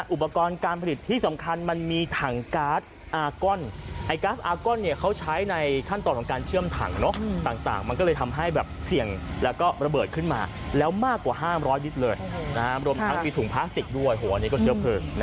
อุปกรณ์การผลิตที่สำคัญมันมีถังการ์ดอาร์กอน